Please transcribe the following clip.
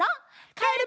かえる